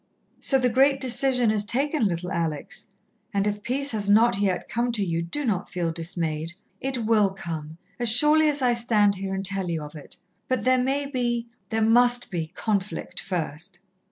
"So the great decision is taken, little Alex. And if peace has not yet come to you, do not feel dismayed. It will come, as surely as I stand here and tell you of it. But there may be there must be conflict first."